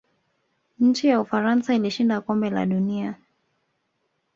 nchi ya ufaransa ilishinda kombe la dunia